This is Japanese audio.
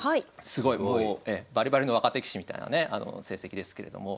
すごいもうバリバリの若手棋士みたいなね成績ですけれども。